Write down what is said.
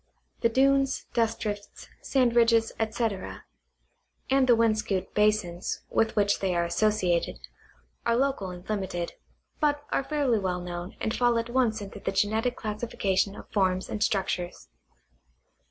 The dunes, dust drifts, sand ridges, etc., and the wind scooped basins with which they are associated, are local and limited, but are fairly well known and fall at once into the geuetic classification of forms and structures.